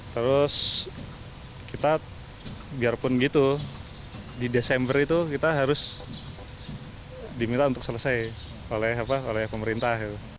terus kita biarpun gitu di desember itu kita harus diminta untuk selesai oleh pemerintah